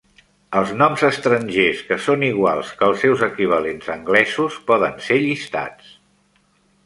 Els noms estrangers que són iguals que els seus equivalents anglesos poden ser llistats.